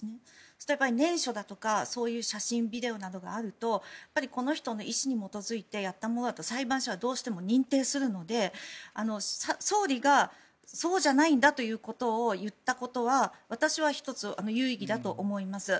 そうすると念書だとかそういう写真、ビデオなどがあるとこの人の意思に基づいてやったものだと裁判所はどうしても認定するので総理が、そうじゃないんだということを言ったことは私は１つ有意義だと思います。